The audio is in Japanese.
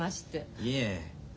いえ。